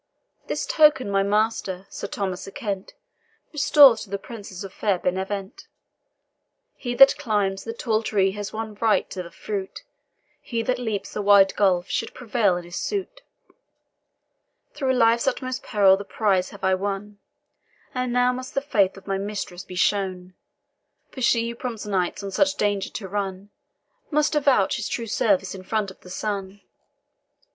"This token my master, Sir Thomas a Kent, Restores to the Princess of fair Benevent; He that climbs the tall tree has won right to the fruit, He that leaps the wide gulf should prevail in his suit; Through life's utmost peril the prize I have won, And now must the faith of my mistress be shown: For she who prompts knights on such danger to run Must avouch his true service in front of the sun.